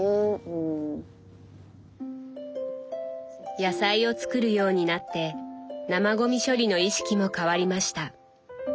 野菜を作るようになって生ごみ処理の意識も変わりました。